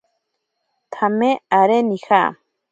Tsame aré nija.